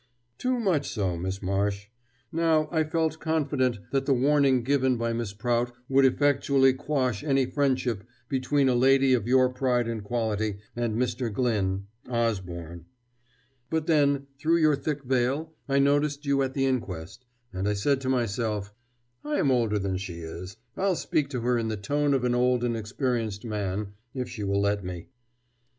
"Too much so, Miss Marsh. Now, I felt confident that the warning given by Miss Prout would effectually quash any friendship between a lady of your pride and quality and Mr. Glyn Osborne. But then, through your thick veil I noticed you at the inquest: and I said to myself, 'I am older than she is I'll speak to her in the tone of an old and experienced man, if she will let me.'"